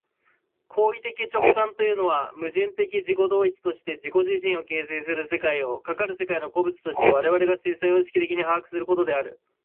行為的直観というのは、矛盾的自己同一として自己自身を形成する世界を、かかる世界の個物として我々が生産様式的に把握することである。